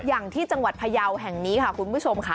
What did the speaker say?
อย่างที่จังหวัดพยาวแห่งนี้ค่ะคุณผู้ชมค่ะ